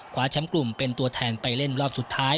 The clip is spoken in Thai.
แชมป์กลุ่มเป็นตัวแทนไปเล่นรอบสุดท้าย